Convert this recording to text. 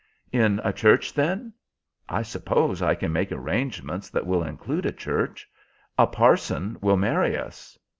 "In a church, then? I suppose I can make arrangements that will include a church. A parson will marry us.